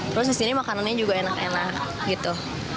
terus di sini makanannya juga enak enak gitu